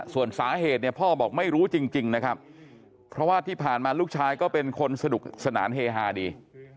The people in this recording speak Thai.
ส่วนสาเหตุเนี่ยพ่อบอกไม่รู้จริงนะครับเพราะว่าที่ผ่านมาลูกชายก็เป็นคนสนุกสนานเฮฮาดี